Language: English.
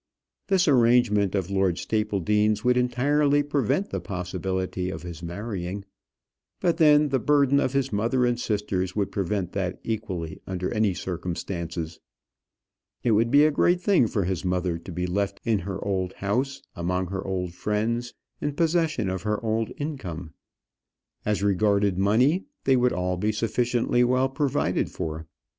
This arrangement of Lord Stapledean's would entirely prevent the possibility of his marrying; but then, the burden of his mother and sisters would prevent that equally under any circumstances. It would be a great thing for his mother to be left in her old house, among her old friends, in possession of her old income. As regarded money, they would all be sufficiently well provided for.